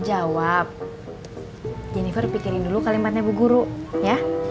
jawab jennifer pikirin dulu kalimatnya ibu guru ya